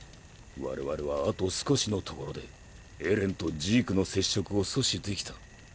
我々はあと少しのところでエレンとジークの接触を阻止できた。